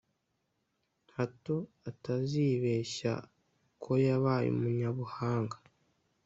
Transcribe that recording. hato atazibeshya ko yabaye umunyabuhanga